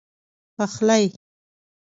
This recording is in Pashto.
پخلی